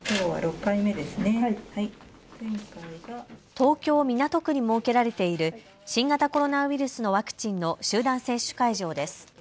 東京港区に設けられている新型コロナウイルスのワクチンの集団接種会場です。